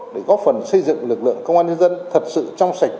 để góp phần xây dựng lực lượng công an nhân dân thật sự trong sạch